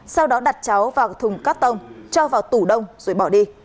sau đó đặt cháu vào thùng cắt tông cho vào tủ đông rồi bỏ đi